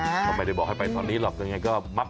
ทำไมว่าบอกให้ไปเท่านี้หรอก